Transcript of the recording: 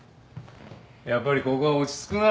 やっぱりここは落ち着くな。